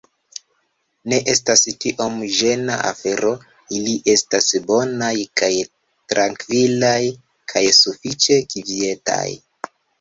Ne estas tiom ĝena afero ili estas bonaj kaj trankvilaj kaj sufiĉe kvietaj